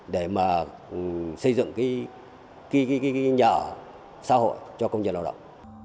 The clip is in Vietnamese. để mà xây dựng nhà ở xã hội cho công nhân lao động